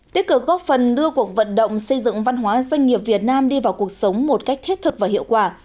tiết cử góp phần đưa cuộc vận động xây dựng văn hóa doanh nghiệp việt nam đi vào cuộc sống một cách thiết thực và hiệu quả